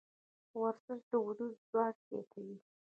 ورزش د وجود ځواک زیاتوي.